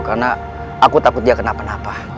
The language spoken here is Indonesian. karena aku takut dia kenapa napa